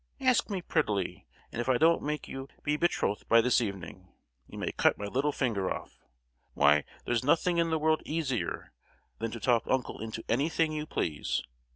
Ask me prettily, and if I don't make you his betrothed by this evening, you may cut my little finger off! Why, there's nothing in the world easier than to talk uncle into anything you please!